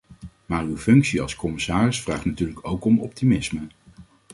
Maar uw functie als commissaris vraagt natuurlijk ook om optimisme.